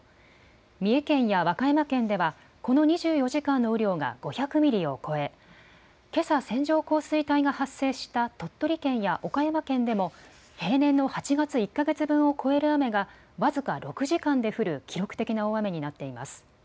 三重県や和歌山県ではこの２４時間の雨量が５００ミリを超えけさ線状降水帯が発生した鳥取県や岡山県でも平年の８月１か月分を超える雨が僅か６時間で降る記録的な大雨になっています。